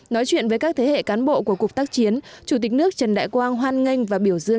nói chuyện với các thế hệ cán bộ của cục tác chiến chủ tịch nước trần đại quang hoan nghênh và biểu dương